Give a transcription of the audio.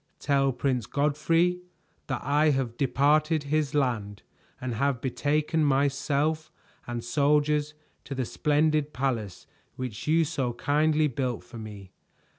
Tell Prince Godfrey that I have departed his land and have betaken myself and soldiers to the splendid palace which you so kindly built for me.